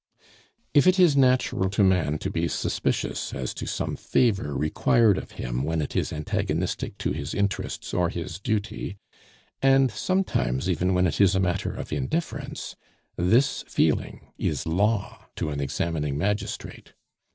If it is natural to man to be suspicious as to some favor required of him when it is antagonistic to his interests or his duty, and sometimes even when it is a matter of indifference, this feeling is law to an examining magistrate.